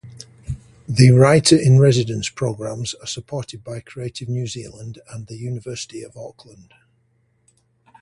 The writer-in-residence programmes are supported by Creative New Zealand and the University of Auckland.